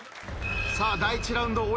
さあ第１ラウンドを終え